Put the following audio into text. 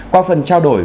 qua phần trao đổi